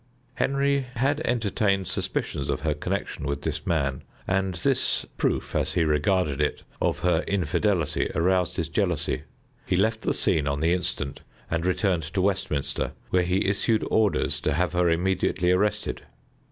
Henry had entertained suspicions of her connection with this man, and this proof, as he regarded it, of her infidelity aroused his jealousy. He left the scene on the instant and returned to Westminster, where he issued orders to have her immediately arrested.